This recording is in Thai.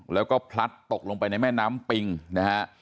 แล้วก็พลัดตกลงไปในแม่น้ำปิงนะฮะ